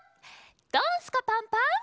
「ドンスカパンパン」。